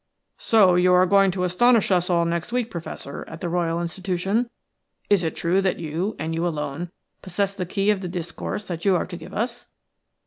"So you are going to astonish us all next week, Professor, at the Royal Institution? Is it true that you, and you alone, possess the key of the discourse that you are to give us?"